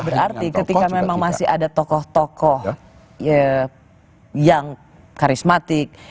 berarti ketika memang masih ada tokoh tokoh yang karismatik